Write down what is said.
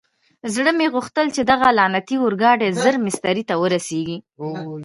زړه مې غوښتل چې دغه لعنتي اورګاډی ژر مېسترې ته ورسېږي.